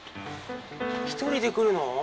一人で来るの？